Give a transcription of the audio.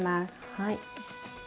はい。